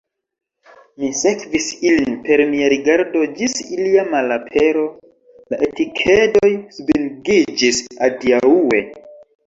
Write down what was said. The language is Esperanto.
Mi sekvis ilin per mia rigardo, ĝis ilia malapero, la etikedoj svingiĝis adiaŭe.